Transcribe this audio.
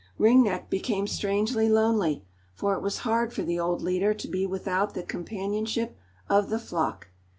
Ring Neck became strangely lonely, for it was hard for the old leader to be without the companionship of the flock.